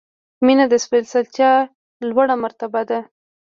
• مینه د سپېڅلتیا لوړه مرتبه ده.